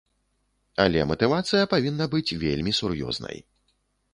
Але матывацыя павінна быць вельмі сур'ёзнай.